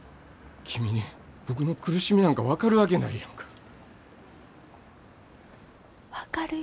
君に僕の苦しみなんか分かるわけないやんか。